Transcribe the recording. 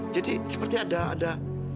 jadi seperti ada